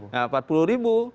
nah empat puluh ribu